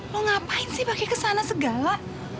mau ngapain sih pakai kesana segala